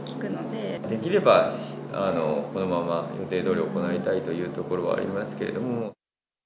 できれば、このまま予定どおり行いたいというところはありますけれども。